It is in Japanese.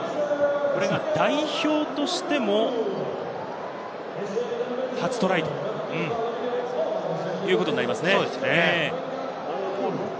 代表としても初トライということになりますね。